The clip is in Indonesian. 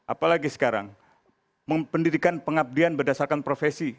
apalagi sekarang pendidikan pengabdian berdasarkan profesi